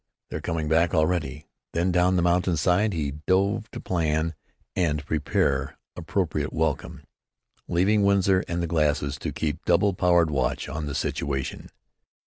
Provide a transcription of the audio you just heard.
"They're coming back already." Then down the mountain side he dove to plan and prepare appropriate welcome, leaving Winsor and the glasses to keep double powered watch on the situation.